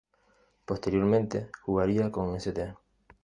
Posteriormente jugaría con St.